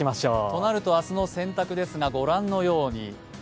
となると、明日の洗濯ですが、ご覧のように。